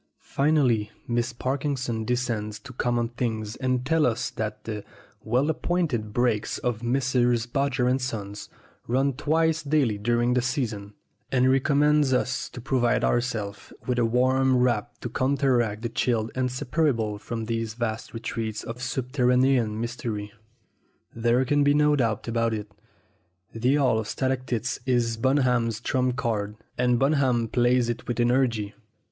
Finally, Miss Parkinson descends to common things and tells us that "the well appointed brakes of Messrs. 23 24 STORIES WITHOUT TEARS Bodger & Son run twice daily during the season," and recommends us to provide ourselves with "a warm wrap to counteract the chill inseparable from these vast retreats of subterranean mystery." There can be no doubt about it, the Hall of Stalac tites is Bunham's trump card, and Bunham plays it with energy.